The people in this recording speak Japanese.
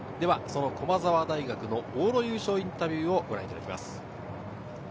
駒澤大学の往路優勝インタビューをご覧いただきます。